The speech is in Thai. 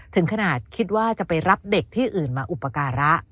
ถึงขนาดคิดว่าจะไปรับเด็กที่อื่นมาอุปการะ